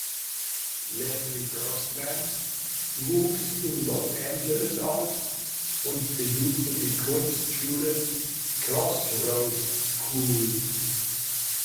Leslie Grossman wuchs in Los Angeles auf und besuchte die Kunstschule "Crossroads School".